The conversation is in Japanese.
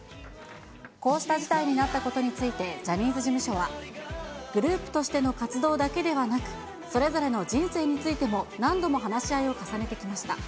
こうした事態になったことについて、ジャニーズ事務所は、グループとしての活動だけではなく、それぞれの人生についても何度も話し合いを重ねてきました。